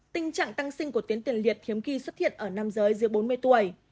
tình trạng tăng sinh của tuyến tiền liệt thiếm khi xuất hiện ở nam giới dưới bốn mươi tuổi